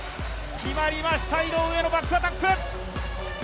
決まりました井上のバックアタック！